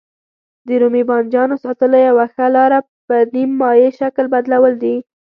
د رومي بانجانو ساتلو یوه ښه لاره په نیم مایع شکل بدلول دي.